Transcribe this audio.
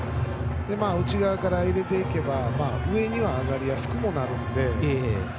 内側から入れていけば上にも上がりやすくなります。